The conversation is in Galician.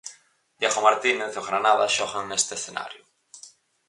Diego Martínez e o Granada xogan neste escenario.